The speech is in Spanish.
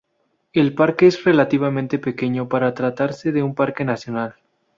El parque es relativamente pequeño para tratarse de un parque nacional.